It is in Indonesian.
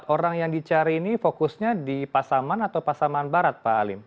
orang yang dicari ini fokusnya di pasaman atau pasaman barat pak alim